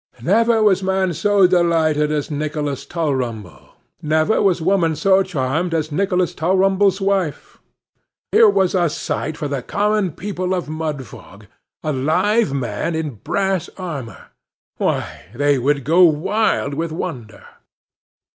Never was man so delighted as Nicholas Tulrumble; never was woman so charmed as Nicholas Tulrumble's wife. Here was a sight for the common people of Mudfog! A live man in brass armour! Why, they would go wild with wonder!